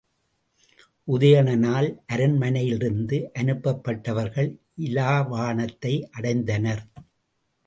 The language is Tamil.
உதயணனால் அரண்மனையிலிருந்து அனுப்பப்பட்டவர்கள் இலாவாணத்தை அடைந்தனர்.